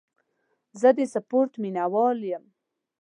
زه د سپورټ مینهوال یم.